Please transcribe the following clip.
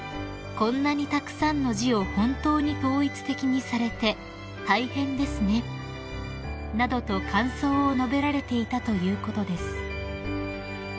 「こんなにたくさんの字を本当に統一的にされて大変ですね」などと感想を述べられていたということです］